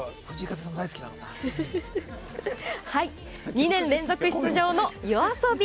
２年連続出場のＹＯＡＳＯＢＩ